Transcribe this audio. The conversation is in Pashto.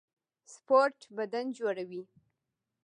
سپورټ بدن جوړوي